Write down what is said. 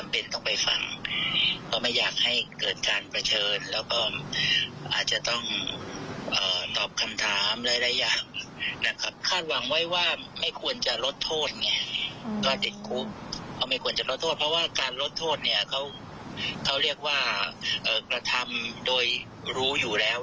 เพราะว่าการลดโทษเขาเรียกว่ากระทำโดยรู้อยู่แล้ว